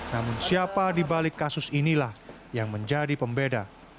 namun siapa di balik kasus inilah yang menjadi pembeda